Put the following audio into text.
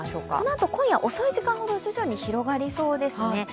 このあと今夜遅い時間ほど徐々に広がりそうですね。